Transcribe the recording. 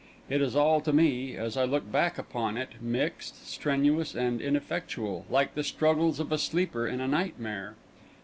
It is all to me, as I look back upon it, mixed, strenuous, and ineffectual, like the struggles of a sleeper in a nightmare.